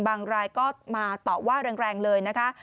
รายก็มาตอบว่าแรงเลยนะคะ